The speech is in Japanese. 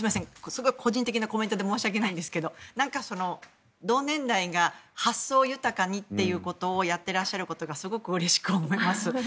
すごい個人的なコメントで申し訳ないんですがなんか、同年代が発想豊にっていうことをやっていらっしゃることがすごくうれしく思います。